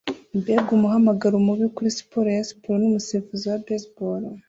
Mbega umuhamagaro mubi kuri siporo ya siporo numusifuzi wa baseball